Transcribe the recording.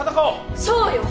そうよ！